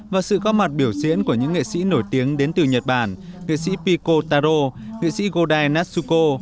và sự góp mặt biểu diễn của những nghệ sĩ nổi tiếng đến từ nhật bản nghệ sĩ pico taro nghệ sĩ godei natsuko